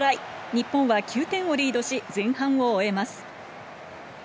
日本は９点をリードし、前半を終えます。